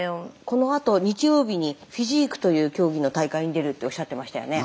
このあと日曜日にフィジークという競技の大会に出るっておっしゃってましたよね。